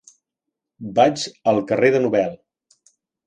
Vaig al carrer de Nobel.